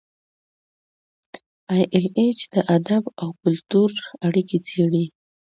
ای ایل ایچ د ادب او کلتور اړیکې څیړي.